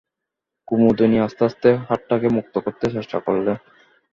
কুমুদিনী আস্তে আস্তে হাতটাকে মুক্ত করতে চেষ্টা করলে।